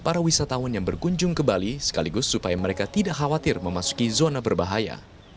dan juga menjadi acuan bagi para wisatawan yang berkunjung ke bali sekaligus supaya mereka tidak khawatir memasuki zona berbahaya